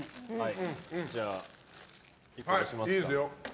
じゃあ、１個出しますか。